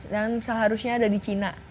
dan seharusnya ada di china